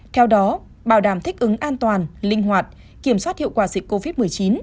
theo đó bảo đảm thích ứng an toàn linh hoạt kiểm soát hiệu quả dịch covid một mươi chín